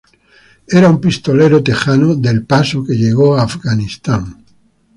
Era un pistolero tejano de El paso que llegó a Afganistán.